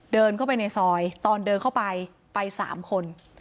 เดินเข้าไปในซอยตอนเดินเข้าไปไป๓คน